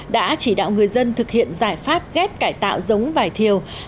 đã chỉ đạo người dân thực hiện giải pháp ghép cải tạo giống vải thiều